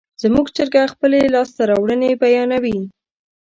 زموږ چرګه خپلې لاسته راوړنې بیانوي.